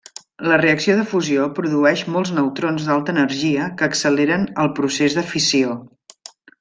La reacció de fusió produeix molts neutrons d'alta energia que acceleren el procés de fissió.